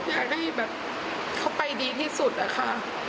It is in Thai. อยากให้เขาไปดีที่สุดค่ะ